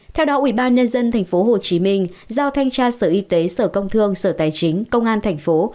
theo đó ubnd tp hcm giao thanh tra sở y tế sở công thương sở tài chính công an tp